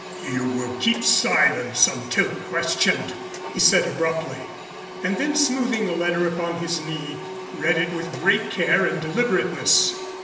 "You will all keep silence until questioned," he said abruptly, and then smoothing the letter upon his knee, read it with great care and deliberateness.